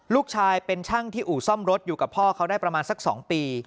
ลูกชายเป็นช่างที่อู่ซ่อมรถอยู่กับพ่อเขาได้ประมาณสัก๒ปี